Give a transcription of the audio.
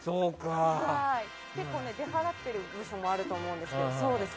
結構出払ってる部署もあると思うんですけど。